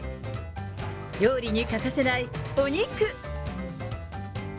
料理に欠かせないお肉。